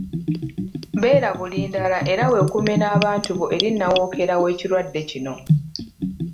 Beera bulindaala era weekuume n’abantu bo eri nnawookeera w’ekirwadde kino.